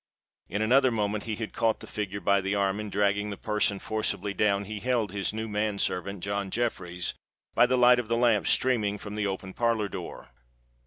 In another moment he had caught that figure by the arm; and, dragging the person forcibly down, beheld his new man servant John Jeffreys, by the light of the lamp streaming from the open parlour door.